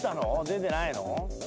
出てないの？